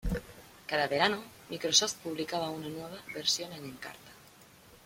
Cada verano, Microsoft publicaba una nueva versión de Encarta.